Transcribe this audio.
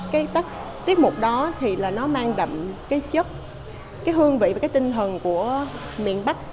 cái tất mục đó thì là nó mang đậm cái chất cái hương vị và cái tinh thần của miền bắc